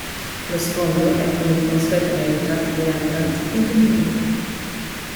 Lo sfondo è, come di consueto nei ritratti di Rembrandt, indefinito.